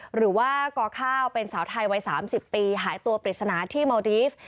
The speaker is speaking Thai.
หรือว่ากข้าวเป็นสาวไทยวัย๓๐ปีหายตัวปริศนาที่เมาดีฟ